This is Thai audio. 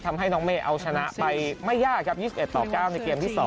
ทำให้น้องเมย์เอาชนะไปไม่ยากครับ๒๑ต่อ๙ในเกมที่๒